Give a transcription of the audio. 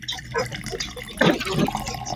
Obudde nze ndaba tebutumala bulungi.